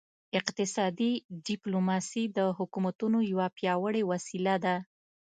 اقتصادي ډیپلوماسي د حکومتونو یوه پیاوړې وسیله ده